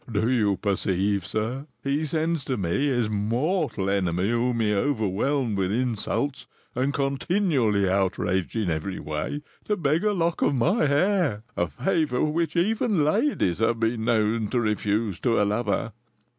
"Do you perceive, sir? He sends to me, his mortal enemy, whom he overwhelmed with insults and continually outraged in every way, to beg a lock of my hair, a favour which even ladies have been known to refuse to a lover!"